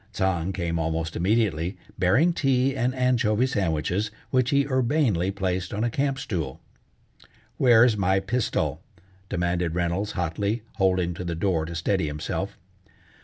Tsang came almost immediately, bearing tea and anchovy sandwiches, which he urbanely placed on a camp stool. "Where's my pistol?" demanded Reynolds hotly, holding to the door to steady himself.